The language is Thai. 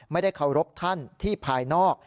ไม่ได้เคารพท่านที่ภายนอก